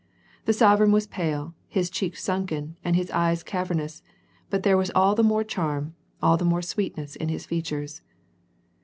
The sovereign was pale, his cheeks sunken, and his eyes cavernous, but there was all the more charm, all the more sweetness in his features.